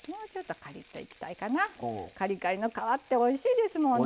カリカリの皮っておいしいですもんね。